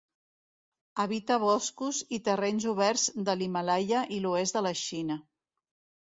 Habita boscos i terrenys oberts de l'Himàlaia i l'oest de la Xina.